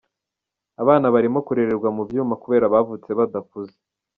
Abana barimo kurererwa mu byuma kubera bavutse badakuze.